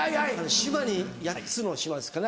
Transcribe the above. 島に８つの島ですかね